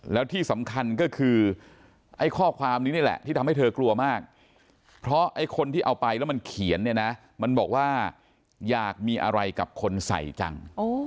แล้วที่สำคัญก็คือไอ้ข้อความนี้นี่แหละที่ทำให้เธอกลัวมากเพราะไอ้คนที่เอาไปแล้วมันเขียนเนี่ยนะมันบอกว่าอยากมีอะไรกับคนใส่จัง